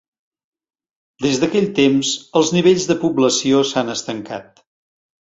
Des d'aquell temps, els nivells de població s'han estancat.